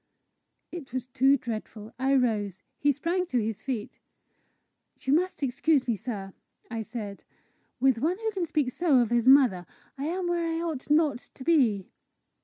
It was too dreadful! I rose. He sprang to his feet. "You must excuse me, sir!" I said. "With one who can speak so of his mother, I am where I ought not to be."